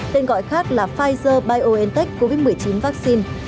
tên gọi khác là pfizer biontech covid một mươi chín vaccine